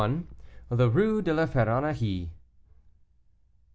THE RUE DE LA FERRONNERIE.